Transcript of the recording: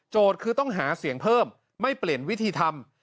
คือต้องหาเสียงเพิ่มไม่เปลี่ยนวิธีทำ